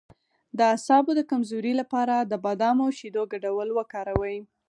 د اعصابو د کمزوری لپاره د بادام او شیدو ګډول وکاروئ